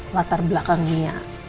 latar belakang nia